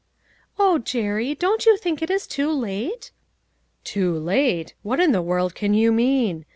" O Jerry ! don't you think it is too late? "" Too late ! What in the world can you mean?